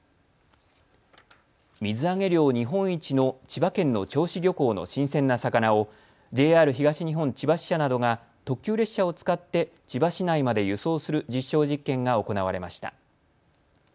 水揚げ量日本一の千葉県の銚子漁港の新鮮な魚をＪＲ東日本千葉支社などが特急列車を使って千葉市内まで輸送する実証実験が行われました。